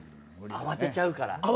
慌てちゃうから。